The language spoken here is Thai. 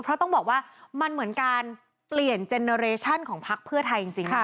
เพราะต้องบอกว่ามันเหมือนการเปลี่ยนเจนเนอร์เรชั่นของพักเพื่อไทยจริง